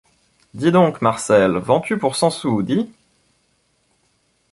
Dis donc, Marcel, vends-tu pour cent sous, dis ?